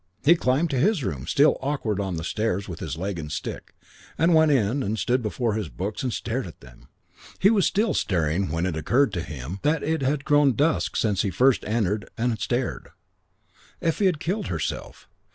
He climbed to his room, still awkward on stairs with his leg and stick, and went in and stood before his books and stared at them. He was still staring when it occurred to him that it had grown dusk since he first entered and stared. Effie had killed herself....